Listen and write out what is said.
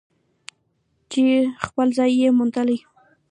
چې خپل ځای یې موندلی.